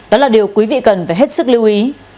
đó là điều quý vị cần phải hết sức lưu ý